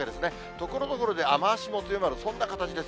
ところどころで雨足も強まる、そんな感じです。